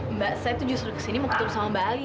mbak saya tuh justru kesini mau ketemu sama mbak ali